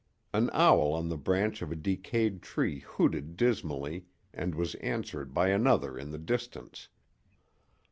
An owl on the branch of a decayed tree hooted dismally and was answered by another in the distance.